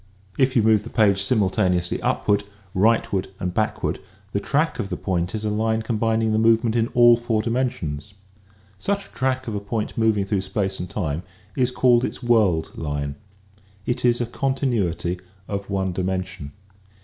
If you move the page simultaneously upward, rightward and backward the track of the point is a line combin ing the movement in all four dimensions. Such a track of a point moving through space and time is called its "world line." It is a continuity of one dimension.